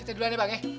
kita duluan ya bang ya